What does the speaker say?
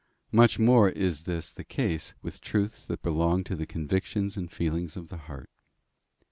Much more is this the case with truths that belong to the convictions and feelings of the heart.